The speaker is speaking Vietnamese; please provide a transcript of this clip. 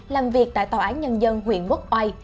làm việc tại tòa án nhân dân huyện quốc oai